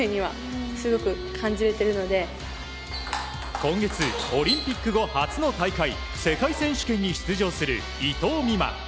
今月、オリンピック後初の大会世界選手権に出場する伊藤美誠。